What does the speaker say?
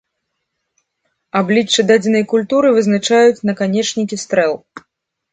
Аблічча дадзенай культуры вызначаюць наканечнікі стрэл.